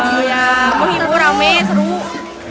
menghibur rame seru